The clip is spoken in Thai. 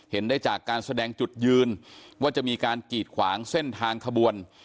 ได้จากการแสดงจุดยืนว่าจะมีการกีดขวางเส้นทางขบวน